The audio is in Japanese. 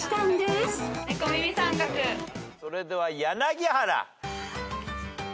それでは柳原。